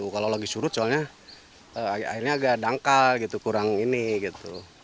kalau lagi surut soalnya airnya agak dangkal gitu kurang ini gitu